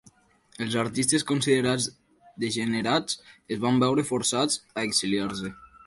Els artistes considerats degenerats es van veure forçats a exiliar-se.